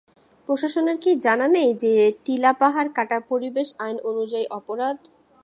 প্রশাসনের কি জানা নেই যে টিলা পাহাড় কাটা পরিবেশ আইন অনুযায়ী অপরাধ?